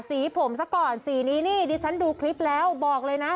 สีผมซะก่อนสีนี้นี่ดิฉันดูคลิปแล้วบอกเลยนะ